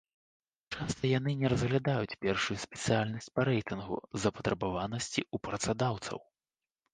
Часта яны не разглядаюць першую спецыяльнасць па рэйтынгу запатрабаванасці ў працадаўцаў.